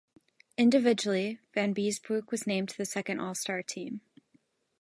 Individually Vanbiesbrouck was named to the Second All-Star team.